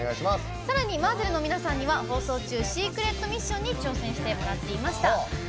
さらに、ＭＡＺＺＥＬの皆さんに放送中シークレットミッションに挑戦してもらっていました。